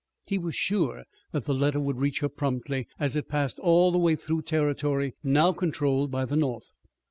He was sure that the letter would reach her promptly, as it passed all the way through territory now controlled by the North.